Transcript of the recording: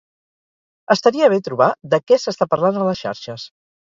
Estaria bé trobar de què s'està parlant a les xarxes.